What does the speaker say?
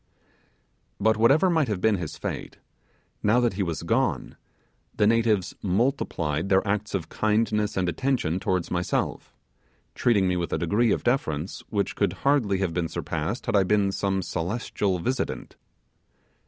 But whatever might have been his fate, now that he was gone the natives multiplied their acts of kindness and attention towards myself, treating me with a degree of deference which could hardly have been surpassed had I been some celestial visitant.